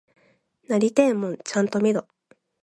なりてえもんちゃんと見ろ！